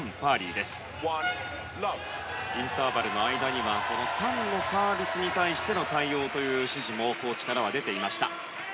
インターバルの間にはタンのサービスに対しての対応という指示もコーチからは出ていました。